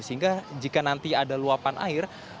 sehingga jika nanti ada luapan air